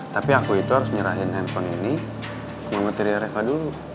tapi aku itu harus nyerahin handphone ini ke materian reva dulu